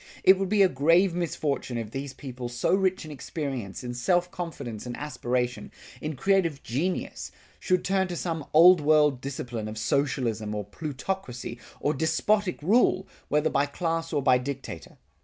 It would be a grave misfortune if these people so rich in experience, in self confidence and aspiration, in creative genius, should turn to some Old World discipline of socialism or plutocracy, or despotic rule, whether by class or by dictator.